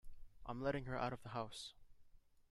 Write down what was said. I'm letting her out of the house.